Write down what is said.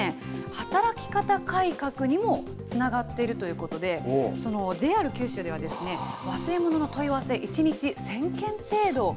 働き方改革にもつながっているということで、ＪＲ九州では、忘れ物の問い合わせ、１日１０００件程度。